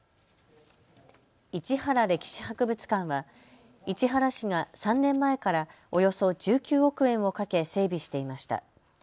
市原歴史博物館は市原市が３年前からおよそ１９億円をかけ整備していました。